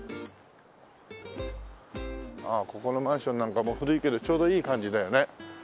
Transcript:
ああここのマンションなんかも古いけどちょうどいい感じだよね。